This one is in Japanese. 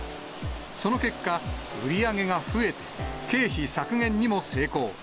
その結果、売り上げが増えて、経費削減にも成功。